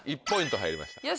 １ポイント入りました。